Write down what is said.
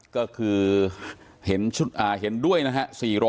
ก็คือเห็นด้วยนะฮะ